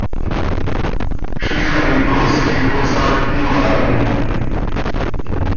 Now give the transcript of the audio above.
Ziix an icoos quij cohsaactim haa hi.